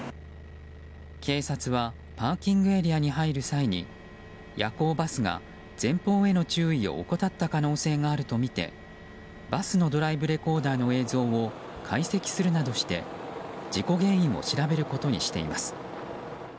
警察はパーキングエリアに入る際に夜行バスが前方への注意を怠った可能性があるとみてバスのドライブレコーダー映像を解析するなどして事故原因を調べることにしています。